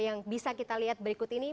yang bisa kita lihat berikut ini